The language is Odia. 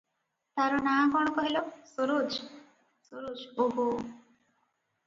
"ତାରନାଁ କଣ କହିଲ- ସରୋଜ- ସରୋଜ ।' ଓହୋ!